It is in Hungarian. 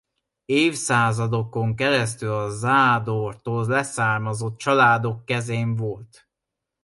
Évszázadokon keresztül a Zádortól leszármazott családok kezén volt.